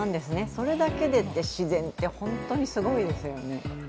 それだけで自然ってホントにすごいですよね。